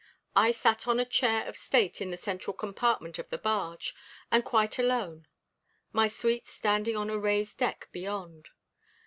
I sat on a chair of state in the central compartment of the barge, and quite alone; my suite standing on a raised deck beyond.